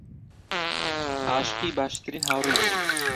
عاشقی باشترین هاوڕێی بوو.